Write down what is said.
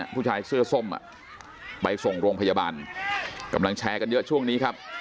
ผู้ชายเสื้อส้มไปส่งโรงพยาบาลกำลังแชร์กันเยอะช่วงนี้ครับ